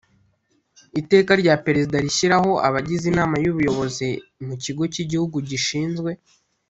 iteka rya perezida rishyiraho abagize inama y ubuyobozi mu kigo cy igihugu gishinzwe